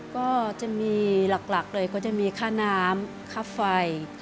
ก็จะมีหลักเลยก็จะมีค่าน้ำค่าไฟ